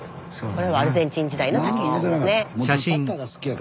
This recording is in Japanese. これはアルゼンチン時代の毅志さんですね。